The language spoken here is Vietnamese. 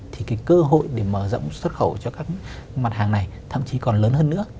thì cái cơ hội để mở rộng xuất khẩu cho các mặt hàng này thậm chí còn lớn hơn nữa